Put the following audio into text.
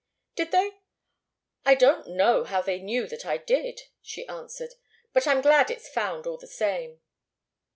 "Did they? I don't know how they knew that I did," she answered. "But I'm glad it's found, all the same."